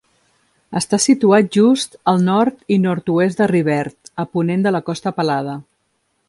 Està situat just al nord i nord-oest de Rivert, a ponent de la Costa Pelada.